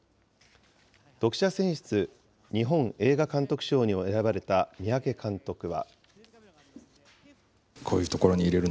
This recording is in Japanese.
読者選出日本映画監督賞にも選ばれた三宅監督は。